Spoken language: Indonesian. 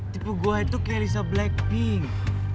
tipe gue tuh kayak lisa blackpink